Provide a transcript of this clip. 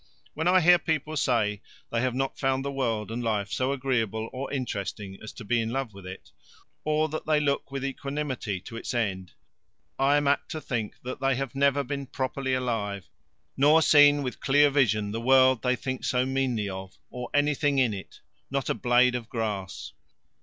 When I hear people say they have not found the world and life so agreeable or interesting as to be in love with it, or that they look with equanimity to its end, I am apt to think they have never been properly alive nor seen with clear vision the world they think so meanly of, or anything in it not a blade of grass.